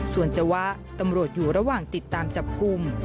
ส่วนจวะตำรวจอยู่ระหว่างติดตามจับกลุ่ม